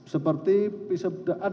seperti pisau dapur